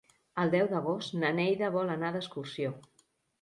El deu d'agost na Neida vol anar d'excursió.